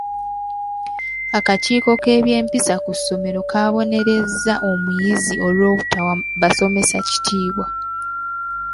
Akakiiko k'ebyempisa ku ssomero kaabonerezza omuyizi olw'obutawa basomesa kitiibwa.